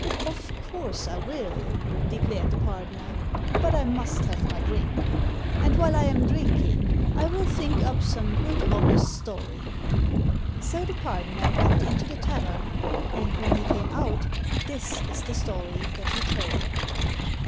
" Of course I will," declared the pardoner, "but I 104 ^^t ^cixbontt'0 €(ik must have my drink ; and while I am drinking, I will think up some good honest story." So the pardoner went into the tavern ; and when he came out, this is the story that he told.